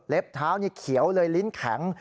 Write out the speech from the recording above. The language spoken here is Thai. เท้านี่เขียวเลยลิ้นแข็ง